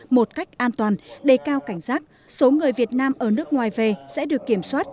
một cách an toàn đề cao cảnh giác số người việt nam ở nước ngoài về sẽ được kiểm soát